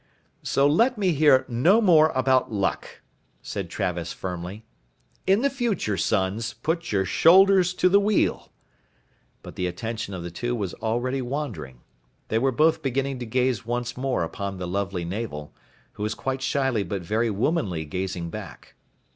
"So let me hear no more about luck," said Travis firmly. "In the future, sons, put your shoulders to the wheel...." But the attention of the two was already wandering. They were both beginning to gaze once more upon the lovely Navel, who was quite shyly but very womanly gazing back.